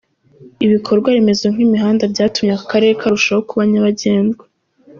Ibikorwa remezo nk’imihanda byatumye aka karere karushaho kuba nyabagendwa.